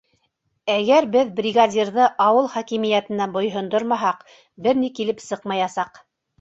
Әгәр беҙ бригадирҙы ауыл хакимиәтенә буйһондормаһаҡ, бер ни килеп сыҡмаясаҡ.